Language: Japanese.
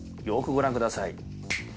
よーくご覧ください。